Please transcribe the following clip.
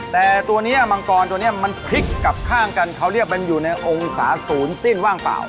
แต่ตัวนี้มังกรตัวนี้มันพลิกกลับข้างกันเขาเรียกมันอยู่ในองศาศูนย์สิ้นว่างเปล่า